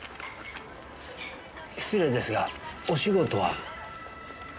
失礼ですがお仕事は？